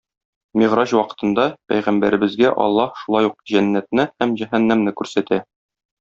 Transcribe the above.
Мигъраҗ вакытында пәйгамбәребезгә Аллаһ шулай ук җәннәтне һәм җәһәннәмне күрсәтә.